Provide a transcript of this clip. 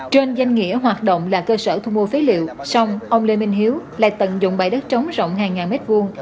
trên danh nghĩa hoạt động là cơ sở thu mua phế liệu xong ông lê minh hiếu lại tận dụng bãi đất trống rộng hàng ngàn mét vuông